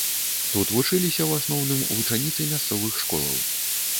Тут вучыліся ў асноўным вучаніцы мясцовых школаў.